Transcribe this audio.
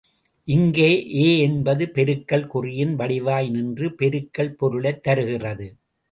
இங்கே ஏ என்பது, பெருக்கல் குறியின் வடிவாய் நின்று, பெருக்கல் பொருளைத் தருகிறது.